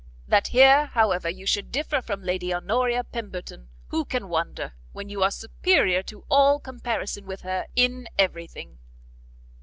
That here, however, you should differ from Lady Honoria Pemberton, who can wonder, when you are superior to all comparison with her in every thing?"